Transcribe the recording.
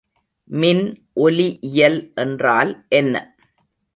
மின்ஒலி இயல் என்றால் என்ன?